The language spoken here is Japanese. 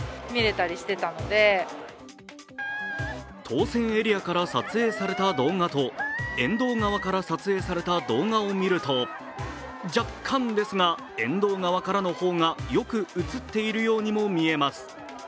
当選エリアから撮影された動画と、沿道側からの映像を見ると若干ですが、沿道側からの方がよく映っているようにも見えます。